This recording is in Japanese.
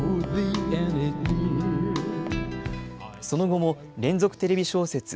その後も連続テレビ小説